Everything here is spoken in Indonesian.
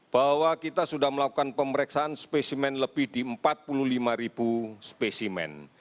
bahwa kita sudah melakukan pemeriksaan spesimen lebih di empat puluh lima ribu spesimen